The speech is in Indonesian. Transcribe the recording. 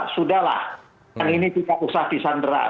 sudah lah ini juga usah di sandra